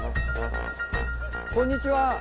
こんにちは。